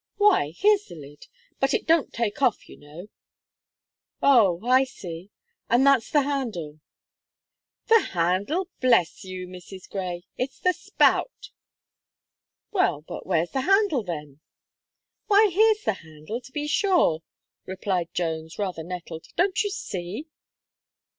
"Why, here's the lid; but it don't take off, you know." "Oh! I see. And that's the handle." "The handle! bless you, Mrs. Gray, it's the spout." "Well, but where's the handle, then?" "Why, here's the handle, to be sure," replied Jones, rather nettled, "don't you see?"